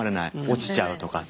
落ちちゃうとか。